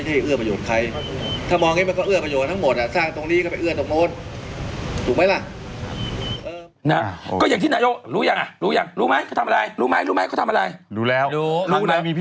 เห็นไหมเขาทำอะไร